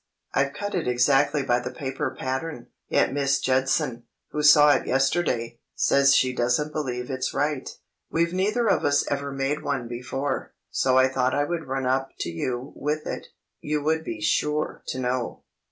"I've cut it exactly by the paper pattern, yet Miss Judson, who saw it yesterday, says she doesn't believe it's right. We've neither of us ever made one before, so I thought I would run up to you with it; you would be sure to know."